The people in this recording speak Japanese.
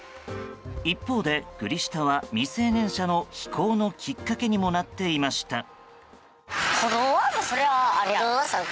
一方で、グリ下は未成年者の非行のきっかけにもなっていました。